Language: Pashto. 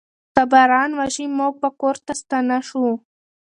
که باران وشي، موږ به کور ته ستانه شو.